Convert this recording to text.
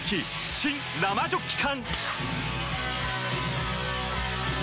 新・生ジョッキ缶！